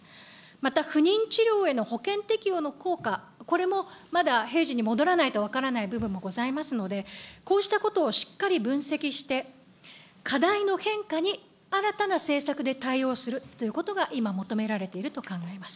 また、不妊治療への保険適用の効果、これもまだ平時に戻らないと分からない部分もございますので、こうしたことをしっかり分析して、課題の変化に新たな政策で対応するということが今求められていると考えます。